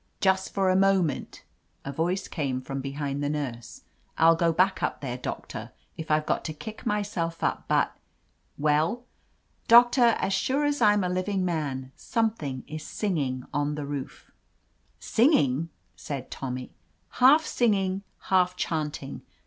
"Just for a moment," a voice came from behind the nurse. "I'll go back up there, Doc tor, if I've got to kick myself up, but —" "Well?" "Doctor, as sure as I'm a living man, some thing is singing on the roof." 132 OF LETITIA CARBERRY "Singing!" said Tommy. "Half singing, half chanting.